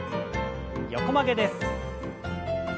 横曲げです。